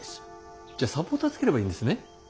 じゃサポーターつければいいんですね？